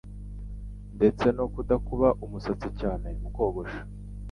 ndetse no kudakuba umusatsi cyane mu kogosha,